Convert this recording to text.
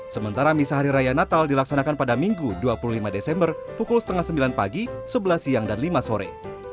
sementara misa hari raya natal dilaksanakan pada minggu dua puluh lima desember pukul setengah sembilan pagi sebelas siang dan lima sore